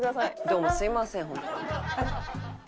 どうもすいませんホント。